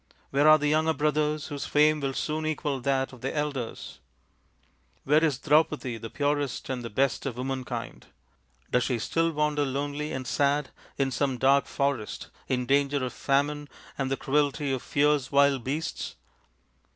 where are the younger brothers whose fame will soon equal that of their elders ? where is Draupadi, the purest and the best of womankind does she wander lonely and sad in some dark forest in danger of famine and the cruelty of fierce wild beasts